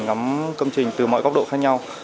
ngắm công trình từ mọi góc độ khác nhau